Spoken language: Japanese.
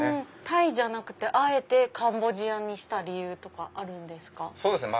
タイじゃなくてあえてカンボジアにした理由あるんですか？